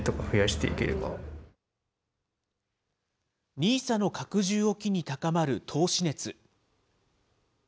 ＮＩＳＡの拡充を機に高まる投資熱。